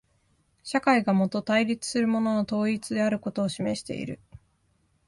社会がもと対立するものの統一であることを示している。